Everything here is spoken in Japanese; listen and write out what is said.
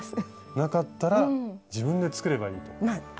なかったら自分で作ればいいと。